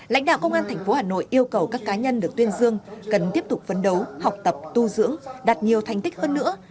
lãnh đạo công an tp hà nội yêu cầu các cá nhân được tuyên dương cần tiếp tục phấn đấu học tập tu dưỡng đạt nhiều thành tích hơn nữa